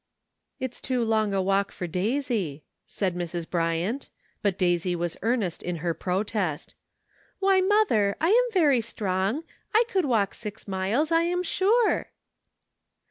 " It's too long a walk for Daisy," said Mrs. Bryant, but Daisy was earnest in her protest. "Why, mother, I am very strong; I could walk six miles, I'm sure."